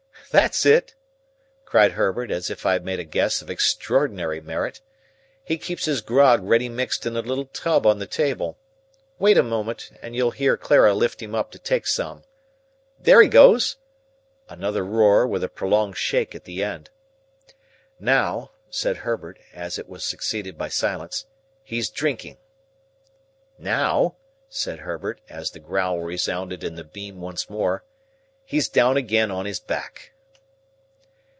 "That's it!" cried Herbert, as if I had made a guess of extraordinary merit. "He keeps his grog ready mixed in a little tub on the table. Wait a moment, and you'll hear Clara lift him up to take some. There he goes!" Another roar, with a prolonged shake at the end. "Now," said Herbert, as it was succeeded by silence, "he's drinking. Now," said Herbert, as the growl resounded in the beam once more, "he's down again on his back!"